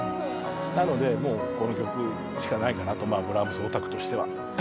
なのでもうこの曲しかないかなとブラームスオタクとしては。